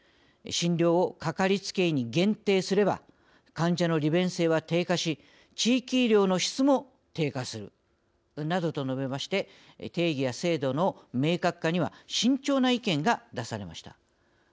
「診療をかかりつけ医に限定すれば患者の利便性は低下し地域医療の質も低下する」などと述べまして定義や制度の明確化には慎重な意見が出されました。